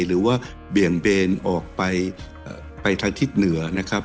เบี่ยงเบนออกไปไปทางทิศเหนือนะครับ